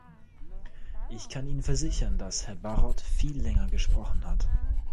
Ich kann Ihnen versichern, dass Herr Barrot viel länger gesprochen hat!